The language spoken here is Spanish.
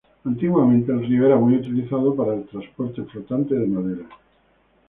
Antiguamente, el río era muy utilizado para el transporte flotante de madera.